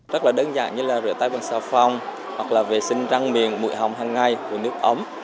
rất là đơn giản như là rửa tay bằng xào phòng hoặc là vệ sinh răng miền mụi hồng hằng ngày uống nước ấm